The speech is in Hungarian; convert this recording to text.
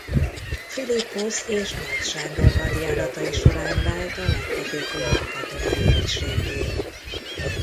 Philipposz és Nagy Sándor hadjáratai során vált a leghatékonyabb katonai egységgé.